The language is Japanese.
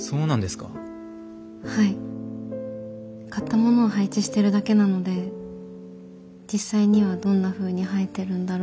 買ったものを配置してるだけなので実際にはどんなふうに生えてるんだろうって思いながら